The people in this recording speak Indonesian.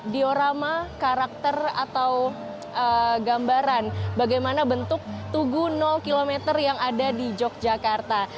diorama karakter atau gambaran bagaimana bentuk tugu km yang ada di yogyakarta